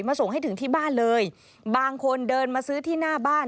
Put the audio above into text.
ส่งให้ถึงที่บ้านเลยบางคนเดินมาซื้อที่หน้าบ้าน